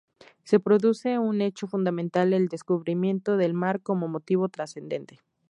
Se produce un hecho fundamental: el descubrimiento del mar como motivo trascendente.